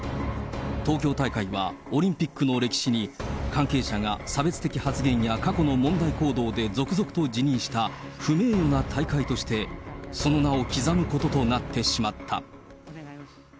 東京大会はオリンピックの歴史に、関係者が差別的発言や、過去の問題行動で続々と辞任した不名誉な大会として、その名を刻むこととなってしまった。